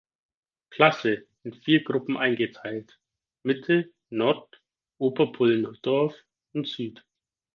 Klasse in vier Gruppen eingeteilt: Mitte, Nord, Oberpullendorf und Süd.